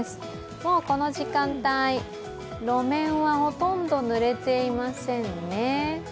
もうこの時間帯、路面はほとんどぬれていませんね。